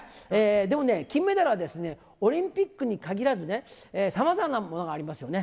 でもね、金メダルは、オリンピックに限らずね、さまざまなものがありますよね。